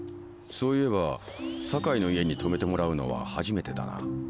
そういえば坂井の家に泊めてもらうのは初めてだな。